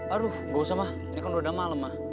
aduh gak usah ma ini kan udah malem ma